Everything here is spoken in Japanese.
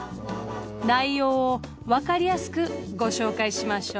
内容を分かりやすくご紹介しましょう。